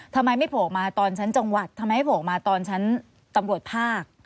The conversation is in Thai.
ทำไมไม่โผล่มาตอนชั้นจังหวัดทำไมไม่โผล่ออกมาตอนชั้นตำรวจภาค